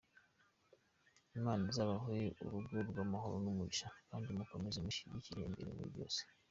Imana izabahe urugo rw’amahoro n’umugisha kdi mukomeze muyishyire imbere muri byose.